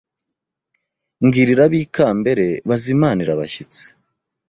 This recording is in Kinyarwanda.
Mbwirira abikambere bazimanirire abashyitsi